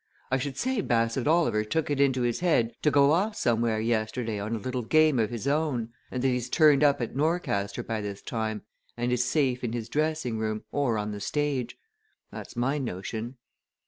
I should say Bassett Oliver took it into his head to go off somewhere yesterday on a little game of his own, and that he's turned up at Norcaster by this time, and is safe in his dressing room, or on the stage. That's my notion."